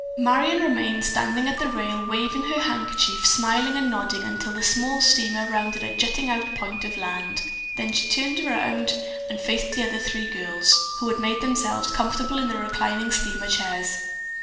Marion remained standing at the rail, waving her handkerchief, smiling and nodding until the small steamer rounded a jutting out point of land, then she turned about and faced the three other girls, who had made themselves comfortable in the reclining steamer chairs.